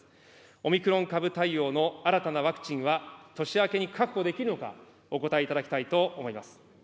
オミクロン株対応の新たなワクチンは年明けに確保できるのか、お答えいただきたいと思います。